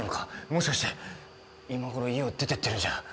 もしかして今頃家を出てってるんじゃ。